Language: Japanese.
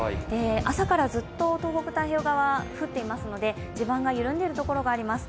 朝からずっと東北太平洋側降っていますので地盤が緩んでいるところがあります。